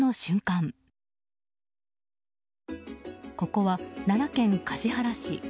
ここは奈良県橿原市。